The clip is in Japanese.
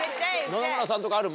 野々村さんとかある？